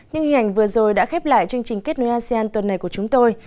những hình ảnh vừa rồi đã khép lại chương trình kết nối asean tuần này của chúng tôi